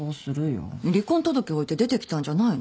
離婚届置いて出てきたんじゃないの？